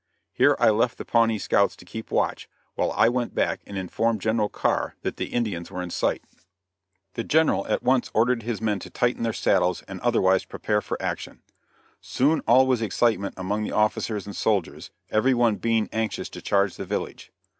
Here I left the Pawnee scouts to keep watch, while I went back and informed General Carr that the Indians were in sight. The General at once ordered his men to tighten their saddles and otherwise prepare for action. Soon all was excitement among the officers and soldiers, every one being anxious to charge the village.